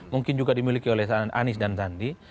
mungkin juga dimiliki oleh anies dan sandi